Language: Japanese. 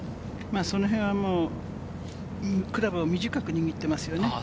その辺はもうクラブを短く握ってますよね。